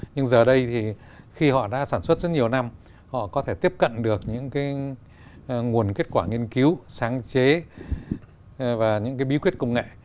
nhưng giờ đây thì khi họ đã sản xuất rất nhiều năm họ có thể tiếp cận được những nguồn kết quả nghiên cứu sáng chế và những cái bí quyết công nghệ